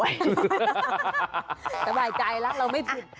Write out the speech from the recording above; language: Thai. สบายใจแล้วเราไม่ผิด